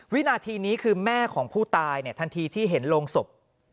วินาทีนี้คือแม่ของผู้ตายทันทีที่เห็นโรงศพ